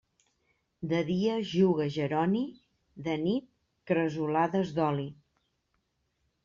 De dia juga Jeroni; de nit, cresolades d'oli.